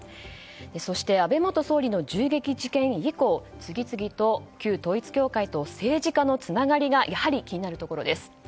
そして、安倍元総理の銃撃事件以降次々と旧統一教会と政治家のつながりがやはり気になるところです。